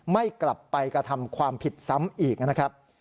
ไม่กลับไปกระทำความผิดซ้ำอีก